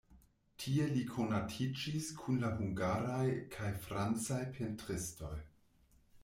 Tie li konatiĝis kun la hungaraj kaj francaj pentristoj.